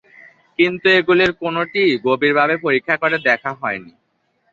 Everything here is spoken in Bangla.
কিন্তু এগুলির কোনওটিই গভীরভাবে পরীক্ষা করে দেখা হয়নি।